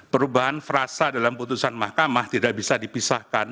perubahan frasa dalam putusan mahkamah tidak bisa dipisahkan